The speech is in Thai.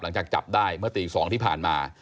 หลังจากจับได้เมื่อตี๒ที่ผ่านมา